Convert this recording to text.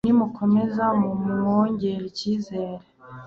nimukomeze muwongere icyizere